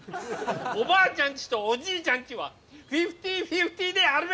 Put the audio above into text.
「おばあちゃんち」と「おじいちゃんち」はフィフティーフィフティーであるべきだ！